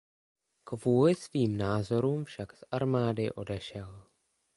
Kvůli svým názorům však z armády odešel.